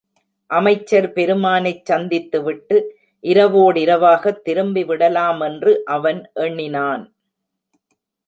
அமைச்சர் பெருமானைச் சந்தித்துவிட்டு இரவோடிரவாகத் திரும்பிவிடலாமென்று அவன் எண்ணினான்.